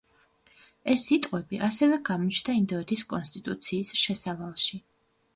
ეს სიტყვები ასევე გამოჩნდა ინდოეთის კონსტიტუციის შესავალში.